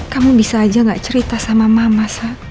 kamu bisa aja gak cerita sama mama saya